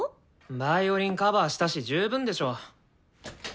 ヴァイオリンカバーしたし十分でしょ。